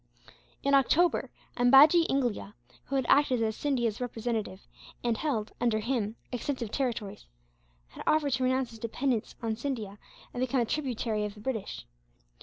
In October, Ambajee Inglia, who had acted as Scindia's representative and held, under him, extensive territories, had offered to renounce his dependence on Scindia, and become a tributary of the British.